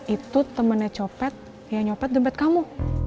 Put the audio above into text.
itu temennya copet yang nyopet dempet kamu